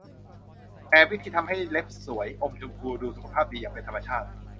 แปด วิธีทำให้เล็บสวย อมชมพู ดูสุขภาพดีอย่างเป็นธรรมชาติ